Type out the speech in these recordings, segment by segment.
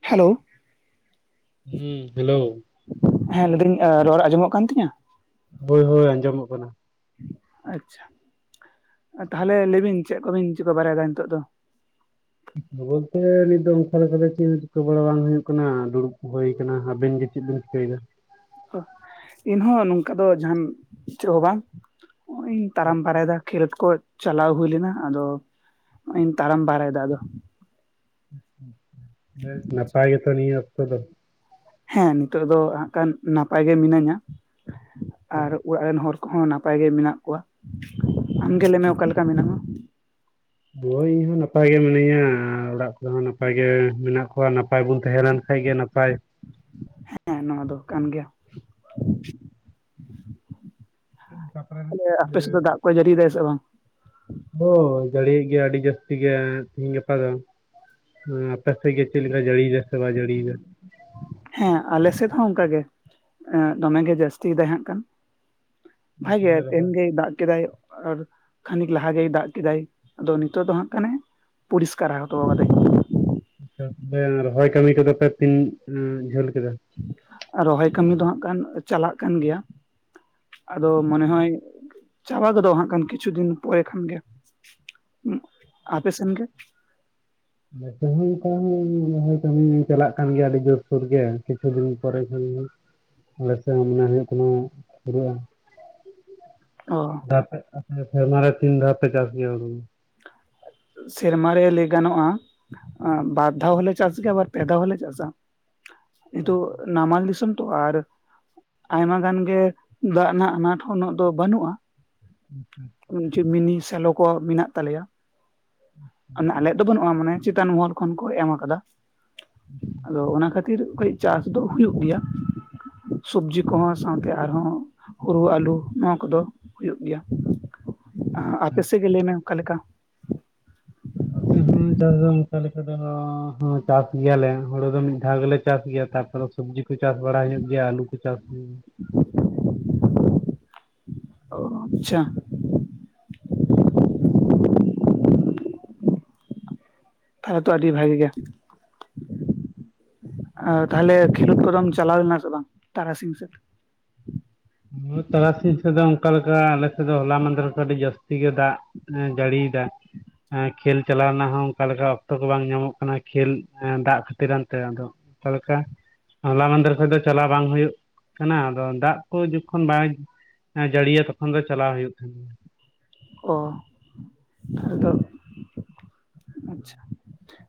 Hello ᱦᱮᱸ hello ᱦᱮᱸ ᱞᱟᱹᱭᱫᱟᱹᱧ ᱨᱚᱲ ᱟᱸᱡᱚᱢᱚᱜ ᱠᱟᱱ ᱛᱤᱧᱟᱹ ᱦᱳᱭ ᱦᱳᱭ ᱟᱸᱡᱚᱢᱚᱜ ᱠᱟᱱᱟ᱾ ᱟᱪᱪᱷᱟ ᱛᱟᱦᱞᱮ ᱞᱟᱹᱭ ᱵᱤᱱ ᱪᱮᱫ ᱠᱚᱵᱤᱱ ᱪᱮᱫ ᱠᱚ ᱵᱟᱲᱟᱭᱮᱫᱟ ᱱᱤᱛᱚᱜ ᱫᱚ ᱵᱚᱞᱛᱮ ᱱᱤᱛ ᱫᱚ ᱚᱱᱠᱟ ᱞᱮᱠᱟᱛᱮ ᱪᱮᱫ ᱪᱤᱠᱟᱹ ᱵᱟᱲᱟ ᱵᱟᱝ ᱦᱩᱭᱩᱜ ᱠᱟᱱᱟ ᱫᱩᱲᱩᱵ ᱠᱚ ᱦᱩᱭ ᱟᱠᱟᱱᱟ ᱟᱵᱮᱱ ᱜᱮ ᱪᱮᱫ ᱵᱤᱱ ᱪᱤᱠᱟᱹᱭᱫᱟ ᱤᱧᱦᱚᱸ ᱱᱚᱝᱠᱟ ᱫᱚ ᱡᱟᱦᱟᱱ ᱪᱟᱹᱜ ᱦᱚᱸ ᱵᱟᱝ ᱱᱚᱜᱼ ᱤᱧ ᱛᱟᱨᱟᱢ ᱵᱟᱨᱟᱭ ᱭᱮᱫᱟ ᱠᱷᱮᱞᱳᱰ ᱠᱚ ᱪᱟᱞᱟᱣ ᱦᱩᱭ ᱞᱮᱱᱟ ᱟᱫᱚᱧ ᱛᱟᱲᱟᱢ ᱵᱟᱲᱟᱭᱟ ᱟᱫᱟ ᱱᱟᱯᱟᱭ ᱜᱮᱛᱚ ᱱᱤᱭᱟ. ᱚᱠᱛᱚ ᱫᱚ ᱦᱮᱸ ᱱᱤᱛᱚᱜ ᱫᱚ ᱦᱜ ᱠᱷᱟᱱ ᱱᱟᱯᱟᱭ ᱜᱮ ᱢᱤᱱᱟᱹᱧᱟ ᱟᱨ ᱚᱲᱟᱜ ᱨᱮᱱ ᱦᱚᱲ ᱠᱚᱦᱚᱸ ᱱᱟᱯᱟᱭ ᱜᱮ ᱢᱮᱱᱟᱜ ᱠᱚᱣᱟ ᱟᱢᱜᱮ ᱞᱟᱹᱭᱢᱮ ᱚᱠᱟ ᱞᱮᱠᱟ ᱢᱮᱱᱟᱜᱟ ᱦᱳᱭ ᱤᱧ ᱦᱚᱸ ᱱᱟᱯᱟᱭ ᱜᱮ ᱢᱤᱱᱟᱹᱧᱟ ᱚᱲᱟᱜ ᱠᱚᱨᱮ ᱦᱚᱸ ᱱᱟᱯᱟᱭ ᱜᱮ ᱢᱮᱱᱟᱜ ᱠᱚᱣᱟ ᱱᱟᱯᱟᱭ ᱵᱚᱱ ᱛᱟᱦᱮᱸ ᱞᱮᱱ ᱱᱟᱯᱟᱭ ᱜᱮ ᱱᱟᱯᱟᱭ ᱦᱮᱸ ᱱᱚᱣᱟ ᱫᱚ ᱠᱟᱱ ᱜᱮᱭᱟ [inaudible] ᱛᱟᱯᱚᱨᱮ ᱛᱟᱦᱞᱮ ᱟᱯᱮ ᱥᱮᱫ ᱫᱟᱜ ᱠᱚ ᱡᱟᱹᱲᱤᱭᱫᱟ ᱥᱮ ᱵᱟᱝ ᱦᱳᱭ ᱡᱟᱹᱲᱤᱭ ᱜᱮᱭᱟ ᱟᱹᱰᱤ ᱡᱟᱹᱥᱛᱤ ᱜᱮ ᱛᱤᱦᱤᱧ ᱜᱟᱯᱟ ᱫᱚ ᱟᱯᱮ ᱥᱮ ᱜᱮ ᱪᱮᱫ ᱞᱮᱠᱟ ᱡᱟᱹᱲᱤ ᱭᱮᱫᱟ ᱥᱮ ᱵᱟᱭ ᱡᱟᱹᱲᱤ ᱮᱫᱟ ᱦᱮᱸ ᱟᱞᱮ ᱥᱮᱫ ᱦᱚᱸ ᱚᱱᱠᱟᱜᱮ ᱫᱚᱢᱮ ᱜᱮ ᱡᱟᱹᱥᱛᱤ ᱛᱟᱦᱮᱸ ᱠᱷᱟᱱ ᱵᱷᱟᱜᱮ ᱜᱮ ᱛᱮᱦᱮᱧ ᱜᱮ ᱫᱟᱜ ᱠᱮᱫᱟᱭ ᱟᱨ ᱠᱷᱟᱹᱱᱤᱠ ᱞᱟᱦᱟ ᱜᱮᱭ ᱫᱟᱜ ᱠᱮᱫᱟᱭ ᱟᱫᱚ ᱱᱤᱛᱚᱜ ᱫᱚ ᱦᱟᱸᱜ ᱠᱷᱟᱱᱮ ᱯᱚᱨᱤᱥᱠᱟᱨ ᱦᱚᱛᱚ ᱠᱟᱫᱟᱭ ᱟᱪᱷᱟ ᱛᱟᱦᱚᱞᱮ ᱨᱚᱦᱚᱭ ᱠᱟᱹᱢᱤ ᱠᱚᱫᱚ ᱯᱮ ᱛᱤᱱ ᱡᱷᱟᱹᱞ ᱠᱮᱫᱟ ᱨᱚᱦᱚᱭ ᱠᱟᱹᱢᱤ ᱫᱚ ᱦᱟᱸᱜ ᱠᱷᱟᱱ ᱪᱟᱞᱟᱜ ᱠᱟᱱ ᱜᱮᱭᱟ ᱟᱫᱚ ᱢᱚᱱᱮ ᱦᱚᱭ ᱪᱟᱵᱟ ᱜᱚᱫᱚᱜᱼᱟ ᱦᱟᱸᱜ ᱠᱷᱟᱱ ᱠᱤᱪᱷᱩ ᱫᱤᱱ ᱯᱚᱨᱮ ᱠᱷᱟᱱ ᱜᱮ ᱟᱯᱮ ᱥᱮᱱᱜᱮ ᱛᱮᱦᱮᱧ ᱠᱷᱚᱱ ᱨᱚᱦᱚᱭ ᱠᱟᱹᱢᱤ ᱪᱟᱞᱟᱜ ᱠᱟᱱ ᱜᱮᱭᱟ ᱟᱹᱰᱤ ᱡᱳᱨᱥᱳᱨ ᱜᱮ ᱠᱤᱪᱷᱩ ᱫᱤᱱ ᱯᱚᱨᱮ ᱠᱷᱟᱱᱜᱮ ᱟᱞᱮᱮᱥᱮᱫ ᱢᱚᱱᱮ ᱦᱳᱭᱳᱜ ᱠᱟᱱᱟ ᱯᱩᱨᱟᱹᱜᱼᱟ᱾ ᱚ ᱟᱯᱮ ᱥᱮᱨᱢᱟᱨᱮ ᱛᱤᱱ ᱫᱷᱟᱣᱯᱮ ᱪᱟᱥ ᱜᱮᱭᱟ ᱦᱩᱲᱩ ᱥᱮᱨᱢᱟᱨᱮ ᱞᱟᱹᱭ ᱜᱟᱱᱚᱜᱼᱟ ᱵᱟᱨ ᱫᱷᱟᱣ ᱦᱚᱞᱮ ᱪᱟᱥ ᱜᱮᱭᱟ ᱟᱵᱟᱨ ᱯᱮ ᱫᱷᱟᱣ ᱦᱚᱞᱮ ᱪᱟᱥᱟ ᱛᱚ ᱱᱟᱢᱟᱞ ᱫᱤᱥᱚᱢ ᱛᱚ ᱟᱨ ᱟᱭᱢᱟ ᱜᱟᱱ ᱜᱮ ᱫᱟᱜ ᱨᱮᱱᱟᱜ ᱟᱱᱟᱴ ᱦᱚᱸ ᱩᱱᱟᱹᱜ ᱫᱚ ᱵᱟᱹᱱᱩᱜᱼᱟ᱾ [inaudible] ᱡᱮ ᱢᱤᱱᱤ ᱥᱮᱞᱚ ᱠᱚ ᱢᱮᱱᱟᱜ ᱛᱟᱞᱮᱭᱟ ᱟᱞᱮᱭᱟᱜ ᱫᱚ ᱵᱟᱹᱱᱩᱜ ᱢᱟᱱᱮ ᱪᱮᱛᱟᱱ ᱢᱚᱦᱚᱞ ᱠᱷᱚᱱ ᱠᱚ ᱮᱢ ᱟᱠᱟᱫᱟ ᱟᱫᱚ ᱚᱱᱟ ᱠᱷᱟᱹᱛᱤᱨ ᱠᱟᱹᱡ ᱪᱟᱥ ᱫᱚ ᱦᱩᱭᱩᱜ ᱜᱮᱭᱟ᱾ ᱥᱚᱵᱡᱤ ᱠᱚᱦᱚᱸ ᱥᱟᱶᱛᱮ ᱟᱨᱦᱚᱸ ᱦᱩᱲᱩ ᱟᱞᱩ ᱱᱚᱣᱟ ᱠᱚᱫᱚ ᱦᱩᱭᱩᱜ ᱜᱮᱭᱟ᱾ ᱟᱯᱮᱥᱮᱡ ᱜᱮ ᱞᱮᱭᱢᱮ ᱳᱠᱟᱞᱮᱠᱟ ᱱᱚᱛᱮ ᱦᱚᱸ ᱪᱟᱥ ᱫᱚ ᱚᱱᱠᱟ ᱞᱮᱠᱟ ᱫᱚ ᱪᱟᱥ ᱜᱮᱭᱟᱞᱮ ᱦᱩᱲᱩ ᱫᱚ ᱢᱤᱫ ᱫᱷᱟᱣ ᱜᱮᱞᱮ ᱪᱟᱥ ᱜᱮᱭᱟ ᱛᱟᱨᱯᱚᱨᱮ ᱥᱚᱵᱽᱡᱤ ᱠᱚ ᱪᱟᱥ ᱵᱟᱲᱟ ᱦᱩᱭᱩᱜ ᱜᱮᱭᱟ ᱟᱹᱞᱩ ᱠᱚ ᱪᱟᱥ ᱦᱩᱭᱩᱜ [inaudible] ᱟᱪᱪᱷᱟ ᱦᱮᱸ ᱛᱚ ᱟᱹᱰᱤ ᱵᱷᱟᱹᱜᱤ ᱜᱮ [inaudible] ᱛᱟᱦᱚᱞᱮ ᱠᱷᱮᱞᱳᱸᱰ ᱠᱚᱫᱚᱢ ᱪᱟᱞᱟᱣ ᱞᱮᱱᱟ ᱥᱮ ᱵᱟᱝ ᱛᱟᱨᱟᱥᱤᱝ ᱥᱮᱫ ᱛᱟᱨᱟᱥᱤᱧ ᱥᱮᱫ ᱫᱚ ᱚᱱᱠᱟ ᱞᱮᱠᱟ ᱟᱞᱮ ᱥᱮᱫ ᱫᱚ ᱦᱚᱞᱟ ᱢᱟᱸᱫᱦᱮᱨ ᱠᱷᱚᱡ ᱟᱹᱰᱤ ᱡᱟᱹᱥᱛᱤ ᱜᱮ ᱫᱟᱜ ᱦᱮ ᱡᱟᱹᱲᱤᱭ ᱫᱟ ᱠᱷᱮᱞ ᱪᱟᱞᱟᱣ ᱨᱮᱱᱟᱜ ᱦᱚᱸ ᱚᱱᱠᱟ ᱞᱮᱠᱟ ᱚᱠᱛᱚ ᱠᱚ ᱵᱟᱝ ᱧᱟᱢᱚᱜ ᱠᱟᱱᱟ ᱠᱷᱮᱞ ᱫᱟᱜ ᱠᱷᱟᱹᱛᱤᱨᱟᱱᱛᱮ ᱟᱫᱚ ᱛᱟᱷᱞᱮᱞᱮᱠᱟ ᱦᱚᱞᱟ ᱢᱟᱸᱫᱮᱨ ᱠᱷᱚᱡ ᱫᱚ ᱪᱟᱞᱟᱣ ᱵᱟᱝ ᱦᱩᱭᱩᱜ ᱠᱟᱱᱟ ᱟᱫᱚ ᱫᱟᱜ ᱫᱟᱜ ᱠᱚ ᱡᱚᱠᱷᱚᱱ ᱵᱟᱭ ᱡᱟᱹᱲᱤᱭᱟ ᱛᱚᱠᱷᱚᱱ ᱫᱚ ᱪᱟᱞᱟᱣ ᱦᱩᱭᱩᱜ ᱚ ᱟᱫᱚ ᱟᱪᱪᱷᱟ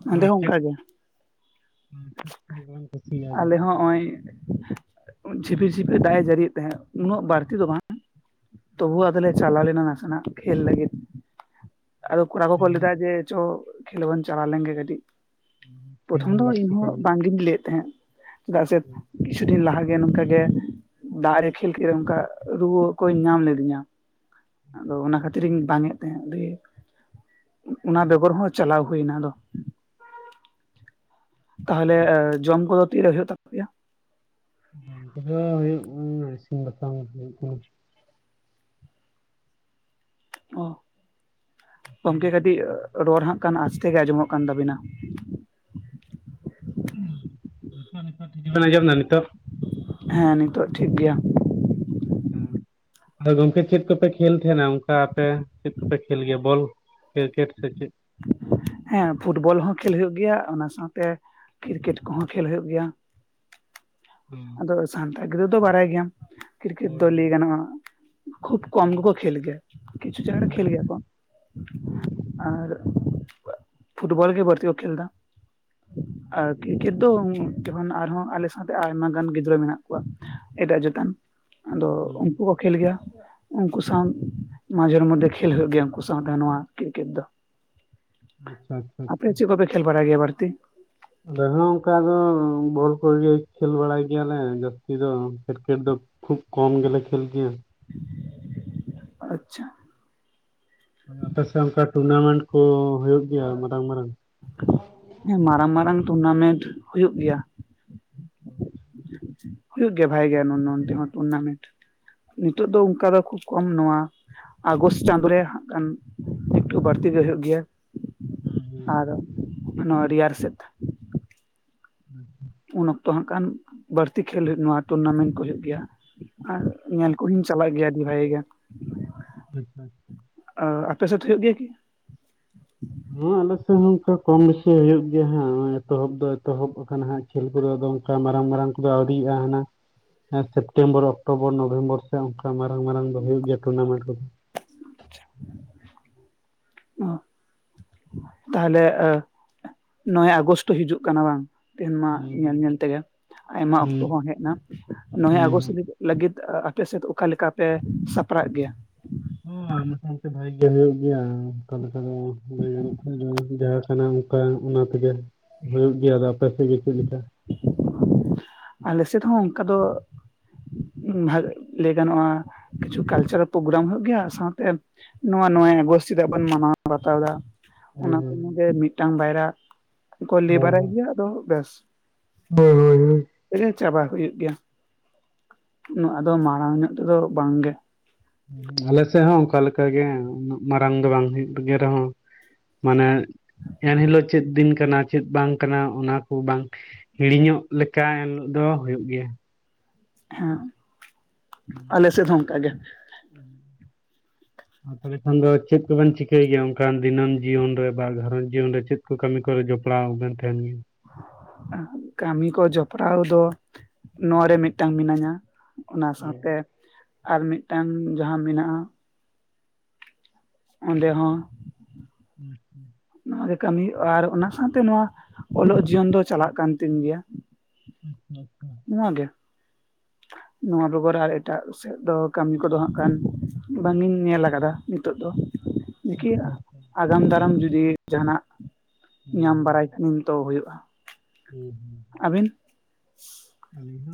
ᱱᱚᱸᱰᱮ ᱟᱨ ᱦᱚᱸ ᱪᱮᱫ ᱚᱱᱠᱟᱜᱮ ᱠᱩᱥᱤᱭᱟᱜᱼᱟ ᱟᱞᱮ ᱦᱚᱸ ᱡᱟᱹᱥᱛᱤ ᱱᱚᱜ ᱚᱭ ᱡᱷᱤᱯᱤᱨ ᱡᱷᱤᱯᱤᱨ ᱫᱟᱜ ᱮ ᱡᱟᱹᱲᱤᱭᱮᱫ ᱛᱟᱦᱮᱸᱫ ᱩᱱᱟᱹᱜ ᱵᱟᱹᱲᱛᱤ ᱫᱚ ᱵᱟᱝ ᱛᱚᱵᱩ ᱟᱫᱚᱞᱮ ᱪᱟᱞᱟᱣ ᱞᱮᱱᱟ ᱱᱟᱥᱮᱱᱟᱜ ᱠᱷᱮᱞ ᱞᱟᱹᱜᱤᱫ ᱟᱫᱚ ᱠᱚᱲᱟ ᱠᱚ ᱠᱚ ᱠᱷᱮᱞ ᱞᱟᱹᱭᱫᱟ ᱡᱮ ᱪᱚ ᱠᱷᱮᱞ ᱵᱚᱱ ᱪᱟᱞᱟᱣ ᱞᱮᱱᱜᱮ ᱠᱟᱹᱴᱤᱡ ᱯᱨᱚᱛᱷᱚᱢ ᱫᱚ ᱤᱧ ᱞᱟᱹᱠᱛᱤ ᱦᱚᱸ ᱠᱟᱱ ᱜᱮᱭᱟ ᱵᱟᱝᱜᱤᱧ ᱞᱟᱹᱭᱮᱫ ᱛᱟᱦᱮᱸᱫ ᱪᱮᱫᱟᱜ ᱥᱮ ᱠᱤᱪᱷᱩ ᱫᱤᱱ ᱞᱟᱦᱟᱜᱮ ᱱᱚᱝᱠᱟ ᱜᱮ ᱫᱟᱜ ᱨᱮ ᱠᱷᱮᱞ ᱠᱮᱫ ᱨᱮ ᱱᱚᱝᱠᱟ ᱨᱩᱣᱟᱹ ᱠᱚᱧ ᱧᱟᱢ ᱞᱮᱫᱤᱧᱟ ᱟᱫᱚ ᱚᱱᱟ ᱠᱷᱟᱹᱛᱤᱨ ᱤᱧ ᱵᱟᱝᱮᱫ ᱛᱟᱦᱮᱸᱫ ᱚᱱᱟ ᱵᱮᱜᱚᱨ ᱦᱚᱸ ᱪᱟᱞᱟᱣ ᱦᱩᱭ ᱮᱱᱟ ᱟᱫᱚ ᱛᱟᱦᱚᱞᱮ ᱡᱚᱢ ᱠᱚᱫᱚ ᱛᱤᱨᱮ ᱦᱩᱭᱩᱜ ᱛᱟᱯᱮᱭᱟ ᱦᱩᱭᱩᱜ ᱤᱥᱤᱱ ᱵᱟᱥᱟᱝ ᱦᱩᱭᱩᱜ ᱠᱟᱱᱟ ᱚ ᱜᱚᱢᱠᱮ ᱠᱟᱹᱴᱤᱡ ᱱᱤᱛᱚᱜ ᱨᱚᱲ ᱦᱟᱸᱜ ᱠᱷᱟᱱ ᱟᱥᱛᱮ ᱜᱮ ᱟᱸᱡᱚᱢᱚᱜ ᱠᱟᱱ ᱛᱟᱵᱤᱱᱟ [unintelligible] ᱟᱡᱚᱸᱢ ᱮᱫᱟ ᱱᱤᱛᱚᱜ ᱦᱮᱸ ᱱᱤᱛᱚᱜ ᱴᱷᱤᱠ ᱜᱮᱭᱟ ᱟ ᱜᱚᱝᱠᱮ ᱪᱮᱫ ᱠᱚᱯᱮ ᱠᱷᱮᱞ ᱛᱟᱦᱮᱱᱟ ᱚᱱᱠᱟ ᱟᱯᱮ ᱪᱮᱫ ᱠᱚᱯᱮ ᱠᱷᱮᱞ ᱜᱮᱭᱟ ᱵᱚᱞ ᱠᱨᱤᱠᱮᱴ ᱥᱮ ᱪᱮᱫ ᱦᱮᱸ ᱯᱷᱩᱴᱵᱚᱞ ᱦᱚᱸ ᱠᱷᱮᱞ ᱦᱩᱭᱩᱜ ᱜᱮᱭᱟ ᱚᱱᱟ ᱥᱟᱶᱛᱮ ᱠᱨᱤᱠᱮᱴ ᱠᱚᱦᱚᱸ ᱠᱷᱮᱞ ᱦᱩᱭᱩᱜ ᱜᱮᱭᱟ [inaudible] ᱟᱫᱚ ᱥᱟᱱᱛᱟᱲ ᱜᱤᱫᱽᱨᱟᱹ ᱫᱚ ᱵᱟᱲᱟᱭ ᱜᱮᱭᱟ ᱠᱨᱤᱠᱮᱴ ᱦᱳᱭ ᱫᱚ ᱞᱟᱹᱭ ᱦᱳᱭ ᱜᱟᱱᱚᱜᱼᱟ ᱠᱷᱩᱵ ᱠᱚᱢ ᱜᱮᱠᱚ ᱠᱷᱮᱞ ᱜᱮᱭᱟ ᱠᱤᱪᱷᱩ ᱡᱟᱭᱜᱟ ᱨᱮ ᱠᱷᱮᱞ ᱦᱳᱭ ᱜᱮᱭᱟ ᱦᱳᱭ ᱠᱚ ᱟᱨ [inaudible] ᱯᱷᱩᱴᱵᱚᱞ ᱜᱮ ᱵᱟᱨᱛᱤ ᱠᱷᱮᱞ ᱫᱚ ᱟᱨ ᱠᱤᱨᱠᱮᱴ ᱛᱚ ᱡᱚᱠᱷᱚᱱ ᱟᱨᱦᱚᱸ ᱟᱞᱮ ᱥᱟᱶᱛᱮ ᱟᱭᱢᱟ ᱜᱟᱱ ᱜᱤᱫᱽᱨᱟᱹ ᱢᱮᱱᱟᱜ ᱠᱚᱣᱟ ᱮᱴᱟᱜ ᱡᱮᱛᱟᱱ ᱟᱫᱚ ᱦᱳᱭ ᱩᱱᱠᱩ ᱠᱚ ᱠᱷᱮᱞ ᱜᱮᱭᱟ ᱩᱱᱠᱩ ᱥᱟᱶ ᱢᱟᱡᱷᱮᱨ ᱢᱚᱫᱽᱫᱷᱮ ᱠᱷᱮᱞ ᱦᱩᱭᱩᱜ ᱜᱮᱭᱟ ᱩᱱᱠᱩ ᱥᱟᱶᱛᱮ ᱱᱚᱣᱟ ᱠᱨᱤᱠᱮᱴ ᱫᱚ ᱟᱪᱪᱷᱟ ᱟᱪᱪᱷᱟ ᱟᱪᱪᱷᱟ ᱟᱯᱮ ᱪᱮᱫ ᱠᱚᱯᱮ ᱠᱷᱮᱞ ᱵᱟᱲᱟᱭ ᱜᱮᱭᱟ ᱵᱟᱲᱛᱤ ᱟᱞᱮ ᱦᱚᱸ ᱚᱱᱠᱟ ᱫᱚ ᱵᱚᱞ ᱠᱚᱜᱮ ᱠᱷᱮᱞ ᱵᱟᱲᱟᱭ ᱜᱮᱭᱟᱞᱮ ᱡᱟᱹᱥᱛᱤ ᱫᱚ ᱠᱨᱤᱠᱮᱴ ᱫᱚ ᱠᱷᱩᱵ ᱠᱚᱢ ᱜᱮᱞᱮ ᱠᱷᱮᱞ ᱜᱮᱭᱟ ᱟᱪᱪᱷᱟ ᱟᱯᱮ ᱥᱮᱫ ᱚᱱᱠᱟ ᱴᱩᱨᱱᱟᱢᱮᱱᱴ ᱠᱚ ᱦᱩᱭᱩᱜ ᱜᱮᱭᱟ ᱢᱟᱨᱟᱝ ᱢᱟᱨᱟᱝ ᱦᱮᱸ ᱢᱟᱨᱟᱝ ᱢᱟᱨᱟᱝ ᱴᱩᱨᱱᱟᱢᱮᱱᱴ ᱦᱩᱭᱩᱜ ᱜᱮᱭᱟ [inaudible] ᱦᱩᱭᱩᱜ ᱜᱮᱭᱟ ᱵᱷᱟᱜᱮ ᱜᱮ ᱱᱚᱱᱛᱮ ᱦᱚᱸ ᱴᱩᱨᱱᱟᱢᱮᱱᱴ ᱱᱤᱛᱚᱜ ᱫᱚ ᱚᱱᱠᱟ ᱫᱚ ᱠᱷᱩᱵ ᱠᱚᱢ ᱱᱚᱶᱟ ᱟᱜᱚᱥᱴ ᱪᱟᱸᱫᱳ ᱨᱮ ᱦᱟᱜ ᱠᱷᱟᱱ ᱮᱠᱴᱩ ᱵᱟᱹᱲᱛᱤ ᱜᱮ ᱦᱩᱭᱩᱜ ᱜᱮᱭᱟ ᱦᱩᱸ ᱟᱨ ᱱᱚᱣᱟ ᱨᱮᱭᱟᱲ ᱥᱮᱫ [inaudible] ᱩᱱ ᱚᱠᱛᱚ ᱦᱟᱜ ᱠᱷᱟᱱ ᱵᱟᱹᱲᱛᱤ ᱠᱷᱮᱞ ᱱᱚᱣᱟ ᱴᱩᱨᱱᱟᱢᱮᱱᱴ ᱠᱚ ᱦᱳᱭᱳᱜ ᱜᱮᱭᱟ ᱟᱨ ᱧᱮᱞ ᱠᱚᱦᱚᱧ ᱪᱟᱞᱟᱜ ᱜᱮᱭᱟ ᱟᱹᱰᱤ ᱵᱷᱟᱜᱤ ᱜᱮ [unintelligible] ᱟᱯᱮ ᱥᱮᱫ ᱦᱳᱭᱳᱜ ᱜᱮᱭᱟ ᱠᱤ ᱦᱮ ᱟᱞᱮᱥᱮᱫ ᱦᱚᱸ ᱚᱱᱠᱟ ᱠᱚᱢ ᱵᱮᱥᱤ ᱦᱩᱭᱩᱜ ᱜᱮᱭᱟ ᱦᱟᱜ ᱱᱚ ᱮᱛᱚᱦᱚᱵ ᱫᱚ ᱮᱛᱚᱦᱚᱵ ᱟᱠᱟᱱᱟ ᱦᱟᱜ ᱠᱷᱮᱞ ᱠᱚᱫᱚ ᱟᱫᱚ ᱚᱱᱠᱟ ᱢᱟᱨᱟᱝ ᱢᱟᱨᱟᱝ ᱠᱚᱫᱚ ᱟᱹᱣᱨᱤᱭᱟᱜᱼᱟ ᱦᱟᱱᱟ ᱦᱮᱸ ᱥᱮᱯᱴᱮᱢᱵᱚᱨ ᱚᱠᱴᱳᱵᱚᱨ ᱱᱚᱵᱷᱮᱢᱵᱚᱨ ᱥᱮ ᱚᱱᱠᱟ ᱢᱟᱨᱟᱝ ᱢᱟᱨᱟᱝ ᱫᱚ ᱦᱩᱭᱩᱜ ᱜᱮᱭᱟ ᱴᱩᱨᱱᱟᱢᱮᱱᱴ ᱠᱚᱫᱚ ᱚ ᱛᱟᱦᱞᱮ ᱱᱚᱜ ᱚᱭ ᱟᱜᱚᱥᱴ ᱦᱤᱡᱩᱜ ᱠᱟᱱᱟ ᱵᱟᱝ ᱛᱮᱦᱮᱱ ᱢᱟ ᱦᱩᱸ ᱦᱩᱸ ᱧᱮᱞ ᱧᱮᱞ ᱛᱮᱜᱮ ᱟᱭᱢᱟ ᱦᱩᱸ ᱚᱠᱛᱚ ᱦᱚᱸ ᱦᱮᱡ ᱮᱱᱟ ᱱᱚᱚᱭ ᱦᱩᱸ ᱟᱜᱚᱥᱴ ᱦᱩᱸ ᱞᱟᱹᱜᱤᱫ ᱟᱯᱮ ᱥᱮᱫ ᱚᱠᱟ ᱞᱮᱠᱟ ᱯᱮ ᱥᱟᱯᱲᱟᱜ ᱜᱮᱭᱟ ᱦᱚᱭ ᱢᱚᱴᱟᱢᱩᱴᱤ ᱵᱷᱟᱜᱮ ᱜᱮ ᱦᱩᱭᱩᱜ ᱜᱮᱭᱟ ᱚᱱᱠᱟ ᱞᱮᱠᱟ ᱫᱚ ᱞᱟᱹᱭ ᱜᱟᱱᱚᱜ ᱠᱷᱟᱱ ᱫᱚ ᱡᱟᱦᱟᱸ ᱠᱷᱚᱱᱮᱢ [unintelligible] ᱵᱟᱝ ᱚᱱᱟ ᱛᱮᱜᱮ ᱦᱩᱭᱩᱜ ᱜᱮᱭᱟ ᱟᱫᱚ ᱟᱯᱮᱥᱮᱫ ᱜᱮ ᱪᱮᱫ ᱞᱮᱠᱟ? ᱟᱞᱮ ᱥᱮᱫ ᱦᱚᱸ ᱚᱱᱠᱟ ᱫᱚ ᱞᱟᱹᱭ ᱜᱟᱱᱚᱜᱼᱟ ᱠᱤᱪᱷᱩ ᱠᱟᱞᱪᱟᱨᱟᱞ ᱯᱨᱳᱜᱨᱟᱢ ᱦ ᱦᱩᱭᱩᱜ ᱜᱮᱭᱟ ᱥᱟᱶᱛᱮ ᱱᱚᱣᱟ ᱱᱚᱭᱮ ᱟᱜᱚᱥᱴ ᱫᱤᱫᱟᱜ ᱵᱚᱱ ᱢᱟᱱᱟᱣ ᱵᱟᱛᱟᱣ ᱫᱟ? ᱦᱳᱭ ᱚᱱᱟ ᱦᱳᱭ ᱠᱟᱹᱢᱤᱜᱮ ᱢᱤᱫᱴᱟᱝ ᱵᱟᱭᱭᱟ ᱠᱚ ᱞᱟᱹᱭ ᱵᱟᱲᱟᱭ ᱜᱮᱭᱟ ᱟᱫᱚ ᱵᱮᱥ᱾ ᱵ [unintelligible] ᱨᱮ ᱪᱟᱵᱟ ᱦᱩᱭᱩᱜ ᱜᱮᱭᱟ ᱩᱱᱟᱹ ᱟᱫᱚ ᱢᱟᱲᱟᱝ ᱧᱚᱜ ᱛᱮᱫᱚ ᱵᱟᱝ ᱜᱮ᱾ ᱟᱞᱮ ᱥᱮᱜ ᱦᱚᱸ ᱚᱱᱠᱟ ᱞᱮᱠᱟ ᱜᱮ ᱩᱱᱟᱹᱜ ᱢᱟᱨᱟᱝ ᱫᱚ ᱵᱟᱝ ᱦᱩᱭᱩᱜ ᱜᱮ ᱨᱮᱦᱚᱸ, ᱢᱟᱱᱮ ᱮᱱᱦᱤᱞᱳᱜ ᱪᱮᱫ ᱫᱤᱱ ᱠᱟᱱᱟ ᱪᱮᱫ ᱵᱟᱝ ᱠᱟᱱᱟ ᱚᱱᱟ ᱠᱚ, ᱵᱟᱝ ᱦᱤᱲᱤᱧᱚᱜ ᱞᱮᱠᱟ ᱮᱱᱦᱤᱞᱳᱜ ᱫᱚ ᱦᱩᱭᱩᱜ ᱜᱮᱭᱟ ᱾ ᱦᱮᱸ ᱟᱞᱮ ᱥᱮᱫ ᱦᱚᱸ ᱚᱱᱠᱟ ᱜᱮ ᱾ ᱦᱮᱸ [unintelligible] [unintelligible] ᱛᱟᱦᱚᱞᱮ ᱠᱷᱟᱱ ᱫᱚ ᱪᱮᱫ ᱠᱚᱵᱮᱱ ᱪᱤᱠᱟᱹᱭ ᱜᱮᱭᱟ? ᱚᱱᱠᱟᱱ ᱫᱤᱱᱟᱹᱢ ᱡᱤᱭᱚᱱ ᱨᱮ, ᱵᱟ ᱜᱷᱟᱨᱨᱚᱸᱡᱽ ᱡᱤᱭᱚᱱ ᱨᱮ ᱪᱮᱫ? ᱠᱚ ᱠᱟᱹᱢᱤ ᱠᱚᱨᱮ ᱡᱚᱯᱲᱟᱣ ᱵᱮᱱ ᱛᱟᱦᱮᱸᱱ ᱜᱮ? ᱠᱟᱹᱢᱤ ᱠᱚ ᱡᱚᱯᱲᱟᱣ ᱫᱚ ᱱᱚᱣᱟ ᱨᱮ ᱢᱤᱜᱴᱟᱝ ᱢᱤᱱᱟᱹᱧᱟ ᱾ ᱚᱱᱟ ᱦᱮᱸ ᱥᱟᱶᱛᱮ ᱟᱨ ᱢᱤᱜᱴᱟᱝ ᱡᱟᱦᱟᱸ ᱢᱮᱱᱟᱜᱼᱟ ᱾ ᱚᱸᱰᱮ ᱦᱚᱸ᱾ ᱦᱩᱸᱻ ᱦᱩᱸᱻ᱾ ᱱᱚᱣᱟ ᱜᱮ ᱠᱟᱹᱢᱤ ᱟᱨ ᱚᱱᱟ ᱥᱟᱶᱛᱮ ᱱᱚᱣᱟ ᱚᱞᱚᱜ ᱡᱤᱭᱚᱱ ᱫᱚ ᱪᱟᱞᱟᱜ ᱠᱟᱱ ᱛᱤᱧ ᱜᱮᱭᱟ ᱾ ᱟᱪᱪᱷᱟᱻ ᱟᱪᱪᱷᱟᱻ᱾ ᱱᱚᱣᱟ ᱜᱮ᱾ ᱱᱚᱣᱟ ᱵᱮᱜᱚᱨ ᱟᱨ ᱮᱴᱟᱜ ᱥᱮᱫ ᱫᱚ ᱠᱟᱹᱢᱤ ᱠᱚᱫᱚ ᱦᱟᱸᱜ ᱠᱷᱟᱱ, ᱵᱟᱝ ᱤᱧ ᱧᱮᱞ ᱠᱟᱫᱟ ᱱᱤᱛᱚᱜ ᱫᱚ᱾ ᱱᱤᱠᱤ ᱟᱜᱟᱢ ᱫᱟᱨᱟᱢ ᱡᱩᱫᱤ ᱡᱟᱦᱟᱸᱱᱟᱜ ᱦᱩᱸ ᱧᱟᱢ ᱵᱟᱲᱟᱭ ᱠᱷᱟᱱᱤᱧ ᱛᱚ ᱦᱳᱭᱳᱜᱼᱟ᱾ ᱦᱩᱸᱻ ᱦᱩᱸᱻ᱾ ᱟᱹᱵᱤᱱ?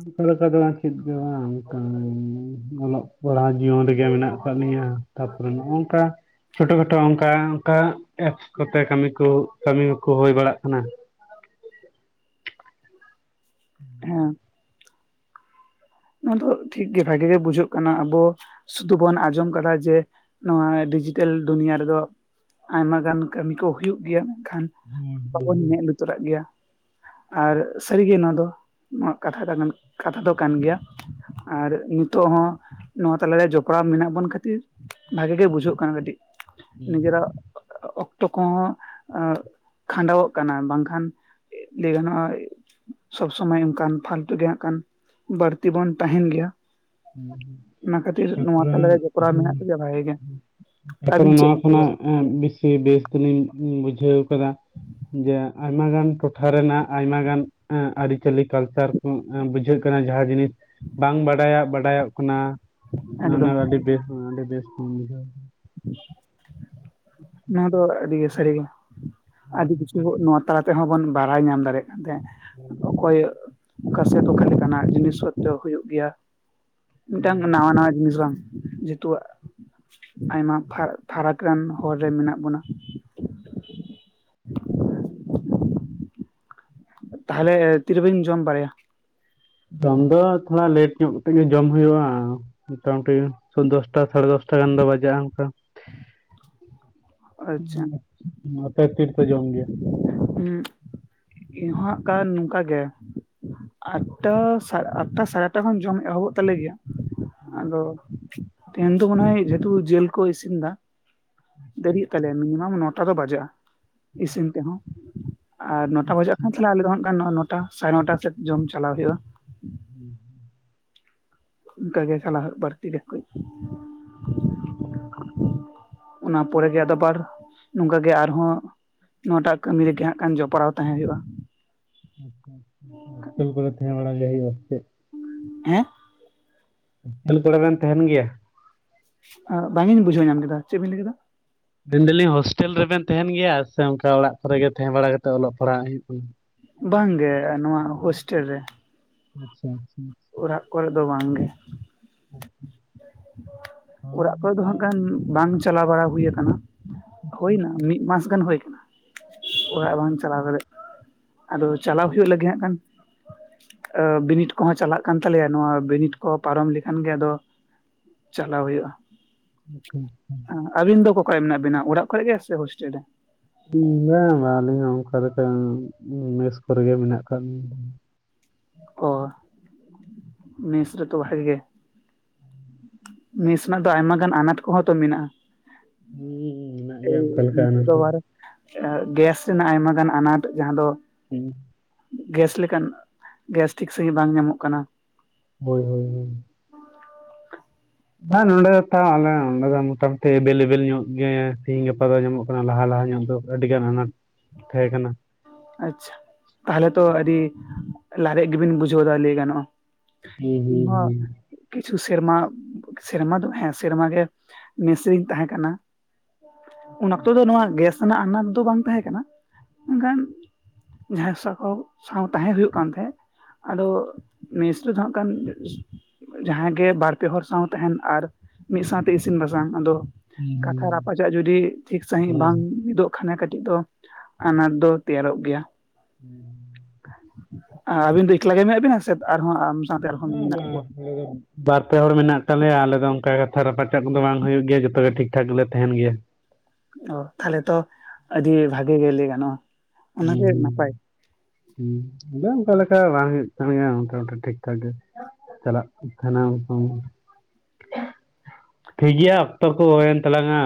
ᱚᱱᱠᱟ ᱞᱮᱠᱟ ᱫᱚ ᱵᱟᱝ ᱪᱮᱫ ᱜᱮ ᱵᱟᱝ ᱚᱱᱠᱟ ᱮᱢᱱᱤ ᱚᱞᱚᱜ ᱯᱟᱲᱦᱟ ᱡᱤᱭᱚᱱ ᱨᱮᱜᱮ ᱢᱮᱱᱟᱜ ᱟᱠᱟᱜ ᱞᱮᱭᱟ ᱛᱟᱯᱚᱨᱮ ᱱᱚᱝᱠᱟ᱾ ᱪᱷᱳᱴᱳ ᱠᱷᱟᱴᱳ ᱚᱱᱠᱟ ᱚᱱᱠᱟ ᱮᱯᱥ ᱠᱚᱛᱮ ᱠᱟᱹᱢᱤ ᱠᱚ, ᱠᱟᱹᱢᱤ ᱠᱚ ᱦᱩᱭ ᱵᱟᱲᱟᱜ ᱠᱟᱱᱟ᱾ ᱦᱮᱸᱻ᱾ ᱱᱚᱣᱟ ᱫᱚ ᱴᱷᱤᱠᱜᱮ ᱵᱷᱟᱜᱤ ᱜᱮ ᱵᱩᱡᱷᱟᱹᱜ ᱠᱟᱱᱟ, ᱟᱵᱚ ᱥᱩᱫᱩ ᱵᱚᱱ ᱟᱸᱡᱚᱢ ᱠᱟᱫᱟ ᱡᱮ ᱱᱚᱣᱟ ᱰᱤᱡᱤᱴᱮᱞ ᱫᱩᱱᱤᱭᱟᱹ ᱨᱮᱫᱚ᱾ ᱟᱭᱢᱟ ᱜᱟᱱ ᱠᱟᱹᱢᱤ ᱠᱚ ᱦᱳᱭᱳᱜ ᱜᱮᱭᱟ, ᱢᱮᱱᱠᱷᱟᱱ ᱦᱩᱸ ᱵᱟᱵᱚᱱ ᱦᱩᱸ ᱢᱮᱫ ᱞᱩᱛᱩᱨᱟᱜ ᱜᱮᱭᱟ᱾ ᱟᱨ ᱥᱟᱹᱨᱤᱜᱮ ᱱᱚᱣᱟ ᱫᱚ ᱱᱚᱣᱟ ᱠᱟᱛᱷᱟ, ᱫᱚ ᱠᱟᱛᱷᱟ ᱫᱚ ᱠᱟᱱ ᱜᱮᱭᱟ᱾ ᱟᱨ ᱱᱤᱛᱚᱜ ᱦᱚᱸ ᱱᱚᱣᱟ ᱛᱟᱞᱟᱨᱮ ᱡᱚᱯᱲᱟᱣ ᱢᱮᱱᱟᱜ ᱵᱚᱱ ᱠᱷᱟᱹᱛᱤᱨ ᱵᱷᱟᱜᱮ ᱜᱮ ᱵᱩᱡᱷᱟᱹᱜ ᱠᱟᱱᱟ ᱠᱟᱹᱴᱤᱜ ᱾ ᱦᱩᱸ ᱱᱤᱡᱮᱨᱟᱜ ᱚᱠᱛᱚ ᱠᱚᱦᱚᱸ ᱠᱷᱟᱸᱰᱟᱣ ᱚᱜ ᱠᱟᱱᱟ᱾ ᱵᱟᱝᱠᱷᱟᱱ ᱞᱟᱹᱭ ᱜᱟᱱᱚᱜᱼᱟ ᱥᱚᱵᱽ ᱥᱚᱢᱚᱭ ᱚᱱᱠᱟᱱ ᱯᱷᱟᱞᱛᱩ ᱜᱮ, ᱦᱟᱸᱜ ᱠᱷᱟᱱ ᱵᱟᱹᱲᱛᱤ ᱛᱮᱵᱚᱱ ᱛᱟᱦᱮᱸᱱ ᱜᱮᱭᱟ᱾ ᱦᱮᱸᱻ ᱦᱩᱸᱻ᱾ ᱚᱱᱟ ᱠᱷᱟᱹᱛᱤᱨ ᱱᱚᱣᱟ ᱛᱟᱞᱮ ᱨᱮ, ᱡᱚᱯᱲᱟᱣ ᱢᱮᱱᱟᱜ ᱛᱮᱜᱮ ᱵᱷᱟᱜᱮ ᱜᱮ᱾ ᱛᱟᱨᱯᱚᱨᱮ ᱟᱹᱵᱤᱱ ᱪᱮᱫ ᱱᱚᱣᱟ ᱵᱤᱱ ᱠᱷᱚᱱᱟᱜ ᱞᱟᱹᱭᱟ ᱵᱮᱥᱤ ᱵᱮᱥ ᱫᱚᱞᱤᱧ ᱵᱩᱡᱷᱟᱹᱣ ᱠᱟᱫᱟ᱾ ᱡᱮ ᱟᱭᱢᱟ ᱜᱟᱱ ᱴᱚᱴᱷᱟ ᱨᱮᱱᱟᱜ, ᱟᱭᱢᱟ ᱜᱟᱱ ᱟᱹᱨᱤᱪᱟᱹᱞᱤ ᱠᱟᱞᱪᱟᱨ ᱵᱩᱡᱷᱟᱹᱜ ᱠᱟᱱᱟ ᱡᱟᱦᱟᱸ ᱡᱤᱱᱤᱥ ᱵᱟᱝ ᱵᱟᱰᱟᱭᱟᱜ ᱵᱟᱰᱟᱭᱚᱜ ᱠᱟᱱᱟ᱾ ᱱᱟ ᱱᱟ ᱮᱠᱫᱚᱢ ᱟᱹᱰᱤ ᱵᱮᱥ ᱟᱹᱰᱤ ᱵᱮᱥ ᱠᱷᱚᱱ ᱵᱩᱡᱷᱟᱣ ᱮᱫᱟ᱾ ᱱᱚᱣᱟ ᱫᱚ ᱟᱹᱰᱤ ᱜᱮ ᱥᱟᱹᱨᱤ ᱜᱮ ᱟᱹᱰᱤ ᱠᱤᱪᱷᱩ ᱠᱮᱫᱟ᱾ ᱱᱚᱣᱟ ᱛᱟᱞᱟ ᱛᱮᱦᱚᱸ ᱵᱚᱱ ᱵᱟᱲᱟᱭ ᱧᱟᱢ ᱫᱟᱲᱮᱭᱟᱜ ᱠᱟᱱ ᱛᱟᱦᱮᱸᱜ ᱚᱠᱚᱭ ᱚᱠᱟᱥᱮᱫ ᱚᱠᱟ ᱞᱮᱠᱟᱱᱟᱜ ᱡᱤᱱᱤᱥ ᱯᱚᱛᱨᱚ ᱦᱩᱭᱩᱜ ᱜᱮᱭᱟ ᱢᱤᱫᱴᱟᱝ ᱱᱟᱣᱟ ᱱᱟᱣᱟ ᱡᱤᱱᱤᱥ ᱵᱟᱝ ᱡᱮᱦᱮᱛᱩ ᱟᱭᱢᱟ ᱯᱷᱟ- ᱯᱷᱟᱨᱟᱠ ᱨᱮᱱ ᱦᱚᱨ ᱨᱮ ᱢᱮᱱᱟᱜ ᱵᱚᱱᱟ᱾ ᱛᱟᱦᱚᱞᱮ ᱛᱤᱨᱮ ᱵᱟᱹᱧ ᱡᱚᱢ ᱵᱟᱲᱟᱭᱟ ᱡᱚᱢ ᱫᱚ ᱛᱷᱚᱲᱟ ᱞᱮᱴ ᱧᱚᱜ ᱠᱟᱛᱮᱜ ᱜᱮ ᱡᱚᱢ ᱦᱩᱭᱩᱜᱼᱟ ᱢᱚᱴᱟ ᱢᱩᱴᱤ ᱫᱚᱥᱴᱟ ᱥᱟᱲᱮ ᱫᱚᱥᱴᱟ ᱜᱟᱱ ᱨᱮ ᱵᱟᱡᱟᱜᱼᱟ ᱚᱱᱠᱟ ᱟᱪᱪᱷᱟ ᱦᱩᱸ ᱟᱯᱮ ᱛᱤᱨᱮ ᱯᱮ ᱡᱚᱢ ᱜᱮᱭᱟ [inaudible] ᱦᱩᱸ ᱤᱧᱦᱚᱜ ᱠᱟᱱ ᱱᱚᱝᱠᱟ ᱜᱮ ᱟᱴᱴᱟ, ᱟᱴᱴᱟ ᱥᱟᱲᱮ ᱟᱴᱴᱟ ᱠᱷᱚᱱ ᱡᱚᱢ ᱮᱦᱚᱵᱚᱜ ᱛᱟᱞᱮ ᱜᱮᱭᱟ ᱟᱫᱚ ᱛᱮᱦᱮᱧ ᱫᱚ ᱢᱚᱱᱮ ᱦᱚᱭ ᱡᱮᱦᱮᱛᱩ ᱡᱤᱞ ᱠᱚ ᱤᱥᱤᱱ ᱮᱫᱟ ᱫᱮᱨᱤᱜ ᱛᱟᱞᱮᱭᱟ ᱢᱤᱱᱤᱢᱟᱢ ᱱᱚᱴᱟ ᱫᱚ ᱵᱟᱡᱟᱜᱼᱟ ᱤᱥᱤᱱ ᱛᱮᱦᱚᱸ ᱟᱨ ᱱᱚᱴᱟ ᱵᱚᱡᱚᱜ ᱠᱷᱟᱱ ᱛᱷᱟ ᱟᱞᱮ ᱫᱚ ᱦᱟᱜ ᱱᱚ ᱱᱚᱴᱟ ᱥᱟᱲᱮ ᱱᱚᱴᱟ ᱥᱮᱫ ᱡᱚᱢ ᱪᱟᱞᱟᱣ ᱦᱩᱭᱩᱜᱼᱟ ᱦᱮᱸ [inaudible] ᱚᱱᱠᱟ ᱜᱮ ᱪᱟᱞᱟᱜ ᱦᱩᱭᱩᱜᱼᱟ ᱵᱟᱹᱲᱛᱤ ᱜᱮ ᱠᱟᱹᱡ ᱚᱱᱟ ᱯᱚᱨᱮ ᱟᱵᱟᱨ ᱱᱚᱝᱠᱟ ᱜᱮ ᱟᱨᱦᱚᱸ ᱱᱚᱣᱟᱴᱟᱜ ᱠᱟᱹᱢᱤ ᱨᱮᱜᱮ ᱦᱟᱸᱜ ᱠᱷᱟᱱ ᱡᱚᱯᱲᱟᱣ ᱛᱟᱦᱮᱸ ᱦᱳᱭᱳᱜ ᱼᱟ ᱟᱪᱪᱷᱟ ᱟᱪᱪᱷᱟ ᱦᱚᱥᱴᱮᱞ ᱠᱚᱨᱮ ᱛᱟᱦᱮ ᱵᱟᱲᱟ ᱜᱮ ᱦᱩᱭᱩᱜ ᱟ ᱥᱮ ᱪᱮᱫ ᱦᱮᱸ [unintelligible] ᱟᱞ ᱠᱚᱨᱮᱱ ᱛᱟᱦᱮᱱ ᱜᱮᱭᱟ ᱵᱟᱝᱤᱧ ᱵᱩᱡᱷᱟᱹᱣ ᱧᱟᱢ ᱠᱮᱫᱟ ᱪᱮᱫ ᱵᱤᱱ ᱞᱟᱹᱭ ᱠᱮᱫᱟ ᱢᱮᱱ ᱫᱟᱞᱤᱧ ᱦᱳᱥᱴᱮᱞ ᱨᱮᱵᱮᱱ ᱛᱟᱦᱮᱸᱱ ᱜᱮᱭᱟ ᱥᱮ ᱚᱱᱠᱟ ᱚᱲᱟᱜ ᱠᱚᱨᱮᱜ ᱜᱮ ᱛᱟᱦᱮᱸ ᱵᱟᱲᱟ ᱠᱟᱛᱮᱫ ᱚᱞᱚᱜ ᱯᱟᱲᱦᱟᱜ ᱦᱩᱭᱩᱜ ᱠᱟᱱᱟ ᱵᱟᱝ ᱜᱮ ᱱᱚᱣᱟ ᱦᱳᱥᱴᱮᱞ ᱨᱮ ᱟᱪᱪᱷᱟ ᱟᱪᱪᱷᱟ ᱚᱲᱟᱜ ᱠᱚᱨᱮ ᱫᱚ ᱵᱟᱝ ᱜᱮ ᱦᱳᱭ ᱚᱲᱟᱜ ᱠᱚᱨᱮ ᱫᱚ ᱦᱟᱜ ᱱᱤᱛᱚᱜ ᱠᱷᱟᱱ ᱵᱟᱝ ᱪᱟᱞᱟᱣ ᱵᱟᱲᱟ ᱦᱩᱭ ᱟᱠᱟᱱᱟ ᱦᱩᱭ ᱮᱱᱟ ᱢᱤᱫ ᱢᱟᱥ ᱜᱟᱱ ᱦᱳᱭ ᱟᱠᱟᱱᱟ [inaudible] ᱚᱲᱟᱜ ᱵᱟᱝ ᱪᱟᱞᱟᱣ ᱫᱟᱲᱮᱜ ᱟᱫᱚ ᱪᱟᱞᱟᱣ ᱦᱳᱭᱳᱜ ᱞᱟᱹᱜᱤᱫ ᱦᱟᱜ ᱠᱷᱟᱱ ᱟᱫᱚ ᱵᱤᱱᱤᱰ ᱠᱚ ᱠᱚᱦᱚᱸ ᱪᱟᱞᱟᱜ ᱠᱟᱱ ᱛᱟᱞᱮ ᱭᱟ ᱱᱚᱶᱟ ᱵᱤᱱᱤᱰ ᱠᱚ ᱯᱟᱨᱚᱢ ᱞᱮᱠᱷᱟᱱ ᱜᱮ ᱟᱫᱚ ᱪᱟᱞᱟᱣ ᱦᱳᱭᱳᱜᱼᱟ ᱟᱪᱪᱷᱟ ᱟᱪᱪᱷᱟ ᱟᱹᱵᱤᱱ ᱫᱚ ᱚᱠᱟ ᱨᱮ ᱢᱮᱱᱟᱜ ᱵᱤᱱᱟ ᱚᱲᱟᱜ ᱠᱚᱨᱮ ᱜᱮ ᱥᱮ ᱦᱳᱥᱴᱮᱞ ᱨᱮ ᱵᱟᱝ ᱵᱟᱝ ᱟᱹᱞᱤᱧ ᱦᱚᱸ ᱚᱱᱠᱟ ᱫᱚ ᱱᱟᱜ ᱠᱷᱟᱱ ᱢᱮᱥ ᱠᱚᱨᱮ ᱜᱮ ᱢᱮᱱᱟᱜ ᱟᱠᱟᱫ ᱞᱤᱧᱟ ᱚ ᱢᱮᱥ ᱨᱮ ᱛᱚ ᱵᱷᱟᱜᱮ ᱜᱮ ᱱᱮᱥ ᱨᱮᱱᱟᱜ ᱫᱚ ᱟᱭᱢᱟ ᱜᱟᱱ ᱟᱱᱟᱴ ᱠᱚᱦᱚᱸ ᱛᱚ ᱢᱮᱱᱟᱜᱼᱟ ᱦᱩᱸ ᱢᱮᱱᱟᱜ ᱮᱭ ᱜᱮᱭᱟ ᱚᱱᱠᱟ ᱞᱮᱠᱟ ᱚᱱᱟ ᱱᱤᱛᱚᱜ ᱫᱚ ᱠᱚ ᱵᱟᱨᱮ ᱜᱮᱥ ᱨᱮᱱᱟᱜ ᱟᱭᱢᱟ ᱜᱟᱱ ᱟᱱᱟᱴ ᱡᱟᱦᱟᱸ ᱫᱚ ᱦᱩᱸ ᱜᱮᱥ ᱞᱮᱠᱟᱱ ᱜᱮᱥ ᱴᱷᱤᱠ ᱥᱟᱸᱦᱤᱡ ᱵᱟᱝ ᱧᱟᱢᱚᱜ ᱠᱟᱱᱟ ᱦᱳᱭ ᱦᱳᱭ ᱦᱳᱭ ᱵᱟᱝ ᱱᱚᱸᱰᱮ ᱫᱚ [unintelligible] [unintelligible] ᱱᱚᱰᱮ ᱫᱚ ᱢᱚᱴᱟ ᱢᱩᱴᱤ ᱮᱵᱮᱞ ᱮᱵᱮᱞ ᱧᱚᱜ ᱜᱮ ᱛᱮᱦᱤᱧ ᱜᱟᱯᱟ ᱫᱚ ᱧᱟᱢᱚᱜ ᱠᱟᱱᱟ ᱞᱟᱦᱟ ᱞᱟᱦᱟ ᱧᱚᱜ ᱫᱚ ᱟᱹᱰᱤ ᱜᱟᱱ ᱟᱱᱟᱴ ᱛᱟᱦᱮᱸ ᱠᱟᱱᱟ ᱟᱪᱪᱷᱟ ᱛᱟᱦᱚ ᱞᱮ ᱛᱚ ᱟᱹᱰᱤ ᱞᱟᱨᱮᱡ ᱜᱮ ᱵᱤᱱ ᱵᱩ ᱡᱷᱟᱹᱣ ᱮᱫᱟ ᱞᱟᱹᱭ ᱜᱟᱱᱚᱜᱼᱟ ᱦᱩᱸ [unintelligible] ᱦᱩᱸ ᱠᱤᱪᱷᱩ ᱥᱮᱨᱢᱟ ᱥᱮᱨᱢᱟ ᱫᱚ ᱦᱮᱸ ᱥᱮᱨᱢᱟ ᱜᱮ ᱢᱮᱥ ᱨᱮᱧ ᱛᱟᱦᱮᱸ ᱠᱟᱱᱟ ᱩᱱ ᱚᱠᱛᱚ ᱫᱚ ᱱᱚᱣᱟ ᱜᱮᱥ ᱨᱮᱱᱟᱜ ᱟᱱᱟᱴ ᱫᱚ ᱵᱟᱝ ᱛᱟᱦᱮᱸ ᱠᱟᱱᱟ ᱢᱮᱱ ᱠᱷᱟᱱ ᱡᱟᱦᱟᱸ ᱥᱚᱨᱠᱟᱨ ᱥᱟᱶ ᱛᱟᱦᱮᱸ ᱦᱳᱭᱳᱜ ᱠᱟᱱ ᱛᱟᱦᱮᱸᱫ ᱟᱫᱚ ᱢᱮᱥ ᱨᱮ ᱫᱚ ᱦᱟᱸᱜ ᱠᱷᱟᱱ ᱡᱟᱦᱟᱸᱜᱮ ᱵᱟᱨ ᱯᱮ ᱦᱚᱲ ᱥᱟᱶ ᱛᱟᱦᱮᱱ ᱟᱨ ᱢᱤᱫ ᱥᱟᱶ ᱛᱮ ᱤᱥᱤᱱ ᱵᱟᱥᱟᱝ ᱟᱫᱚ ᱠᱟᱛᱷᱟ ᱦᱩᱸ ᱨᱟᱯᱟ ᱪᱟᱜ ᱡᱩᱫᱤ ᱴᱷᱤᱠ ᱥᱟᱹᱦᱤᱡ ᱵᱟᱝ ᱦᱩᱸ ᱢᱤ ᱫᱚᱜ ᱠᱷᱟᱱ ᱠᱟᱹᱴᱤᱡ ᱫᱚ ᱟᱱᱟᱴ ᱫᱚ ᱛᱮᱭᱟᱨᱚᱜ ᱜᱮᱭᱟ᱾ ᱦᱮᱸ ᱟᱵᱤᱱ ᱫᱚ ᱮᱠᱞᱟ ᱜᱮ ᱢᱮᱱᱟᱜ ᱵᱤᱱᱟ ᱥᱮ ᱟᱨ ᱦᱚᱸ ᱟᱢ ᱥᱟᱶ ᱛᱮ ᱟᱨ ᱦᱩᱸ ᱦᱚᱸ ᱦᱮᱸ ᱢᱮᱱᱟᱜ ᱢᱟ ᱠᱚᱣᱟ ᱟᱞᱮ ᱫᱚ ᱵᱟᱨ ᱯᱮ ᱦᱚᱲ ᱢᱮᱱᱟᱜ ᱛᱟᱞᱮ ᱭᱟ ᱟᱞᱮ ᱫᱚ ᱚᱱᱠᱟ ᱠᱟᱛᱷᱟ ᱨᱟᱯᱟ ᱪᱟᱜ ᱠᱚ ᱫᱚ ᱵᱟᱝ ᱦᱩᱭᱩᱜ ᱜᱮᱭᱟ ᱡᱷᱚ ᱛᱚ ᱜᱮ ᱴᱷᱤᱠ ᱴᱷᱟᱠ ᱞᱮ ᱛᱟᱦᱮᱱ ᱜᱮᱭᱟ'ᱞ᱾ ᱚ ᱛᱟᱦᱞᱮ ᱛᱚ ᱟᱹᱰᱤ ᱵᱷᱟᱜᱮ ᱜᱮ ᱞᱟᱹᱭ ᱜᱟᱱᱚᱜᱼᱟ ᱚᱱᱟᱜᱮ ᱱᱟᱯᱟᱭ ᱦᱮᱸ ᱟᱫᱚ ᱚᱱᱠᱟ ᱞᱮᱠᱟ ᱵᱟᱝ ᱦᱩᱭᱩᱜ ᱠᱟᱱ ᱜᱮᱭᱟ ᱢᱮᱱ ᱠᱟᱷᱟᱱ ᱴᱷᱤᱠ ᱴᱷᱟᱠ ᱜᱮ [unintelligible] ᱴᱷᱤᱠ ᱜᱮᱭᱟ ᱚᱠᱛᱚ ᱠᱚ ᱦᱳᱭ ᱮᱱ ᱛᱟᱞᱟᱝᱼᱟ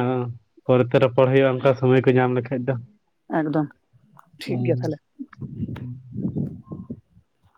ᱯᱚᱨᱮ ᱛᱮ ᱨᱚᱯᱚᱲ ᱦᱩᱭᱩᱜᱼᱟ ᱚᱱᱠᱟ ᱥᱚᱢᱚᱭ ᱠᱚ ᱧᱟᱢ ᱞᱮᱠᱷᱟᱡ ᱫᱚ ᱮᱠᱫᱚᱢ ᱴᱷᱤᱠ ᱜᱮᱭᱟ ᱦᱩᱸ ᱛᱟᱦᱞᱮ [unintelligible]